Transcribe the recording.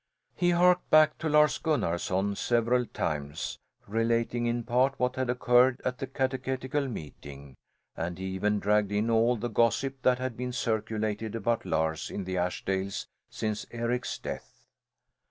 He harked back to Lars Gunnarson several times, relating in part what had occurred at the catechetical meeting, and he even dragged in all the gossip that had been circulated about Lars in the Ashdales since Eric's death.